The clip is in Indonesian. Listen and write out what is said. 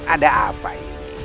ada apa ini